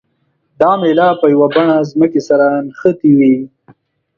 دا میله په یوه بڼه ځمکې سره نښتې وي.